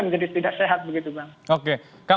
menjadi tidak sehat begitu bang